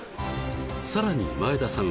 さらに前田さんは